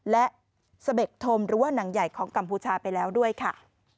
และเสบ็คธมหรือว่าหนังใหญ่ของกัมพูชาไปแล้วด้วยค่ะ